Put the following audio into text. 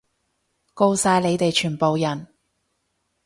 吿晒你哋全部人！